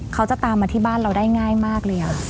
เขาจะตามมาที่บ้านเราได้ง่ายมากเลย